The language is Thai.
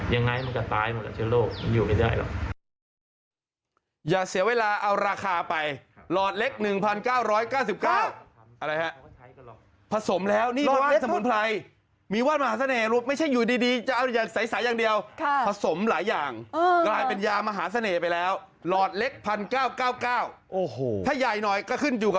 ยังไงมันก็ตายมากับเชื้อโรคมันอยู่ไม่ได้หรอก